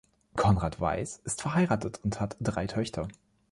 Konrad Weiß ist verheiratet und hat drei Töchter.